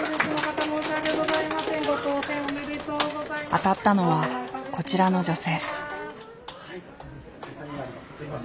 当たったのはこちらの女性。